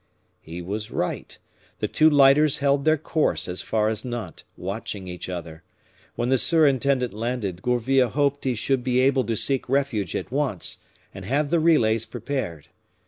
He was right; the two lighters held their course as far as Nantes, watching each other. When the surintendant landed, Gourville hoped he should be able to seek refuge at once, and have the relays prepared.